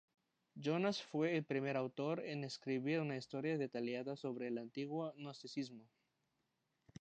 Jonas fue el primer autor en escribir una historia detallada sobre el antiguo gnosticismo.